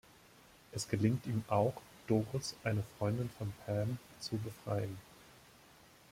Es gelingt ihm auch, Doris, eine Freundin von Pam, zu befreien.